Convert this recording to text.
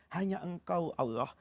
hanya engkau allah